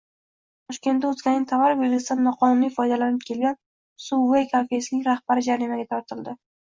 Toshkentda o‘zganing tovar belgisidan noqonuniy foydalanib kelgan Subway kafesining rahbari jarimaga tortildi